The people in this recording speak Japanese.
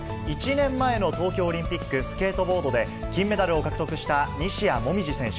１年前の東京オリンピックスケートボードで金メダルを獲得した西矢椛選手。